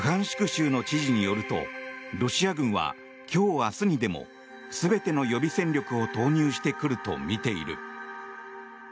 州の知事によるとロシア軍は今日明日にでも全ての予備戦力を投入してくるとみている。